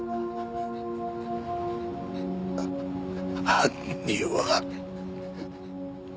犯人は。